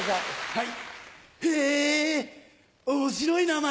はい。